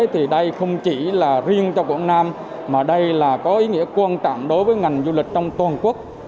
thì đây không chỉ là riêng cho quảng nam mà đây là có ý nghĩa quan trọng đối với ngành du lịch trong toàn quốc